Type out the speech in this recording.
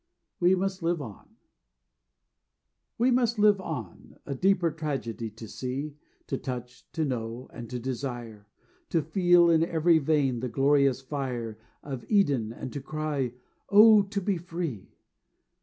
WE MUST LIVE ON We must live on; a deeper tragedy: To see, to touch, to know, and to desire; To feel in every vein the glorious fire Of Eden, and to cry, "Oh, to be free!"